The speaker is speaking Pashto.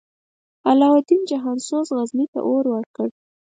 علاوالدین جهان سوز، غزني ته اور ورکړ.